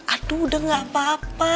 aduh udah gak apa apa